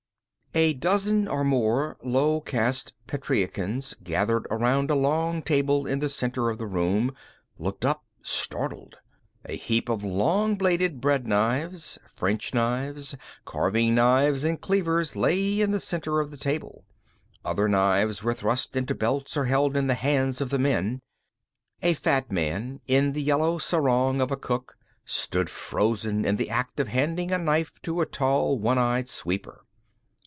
II A dozen or more low caste Petreacans, gathered around a long table in the center of the room looked up, startled. A heap of long bladed bread knives, French knives, carving knives and cleavers lay in the center of the table. Other knives were thrust into belts or held in the hands of the men. A fat man in the yellow sarong of a cook stood frozen in the act of handing a knife to a tall one eyed sweeper.